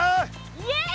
イエイ！